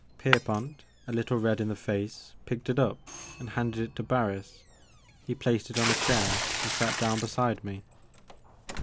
Kerpont, a little red in the face, picked it up, and handed it to Barris. He placed it on a chair, and sat down beside me.